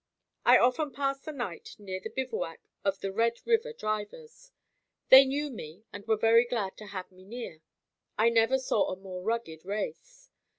I often passed the night near the bivouac of the Red River drivers. They knew me and were very glad to have me near. I never saw a more rugged race.